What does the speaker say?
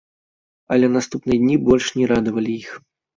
Але наступныя дні больш не радавалі іх.